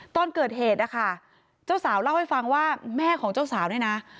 ตอนเกิดเหตุนะคะเจ้าสาวเล่าให้ฟังว่าแม่ของเจ้าสาวเนี่ยนะ